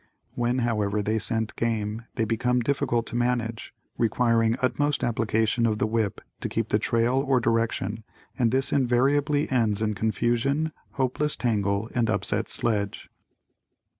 When, however, they scent game, they become difficult to manage, requiring utmost application of the whip to keep the trail or direction and this invariably ends in confusion, hopeless tangle and upset sledge.